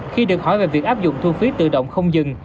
khi được hỏi về việc áp dụng thu phí tự động không dừng